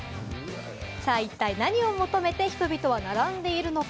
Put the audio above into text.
一体、何を求め、人々は並んでいるのか？